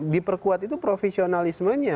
diperkuat itu profesionalismenya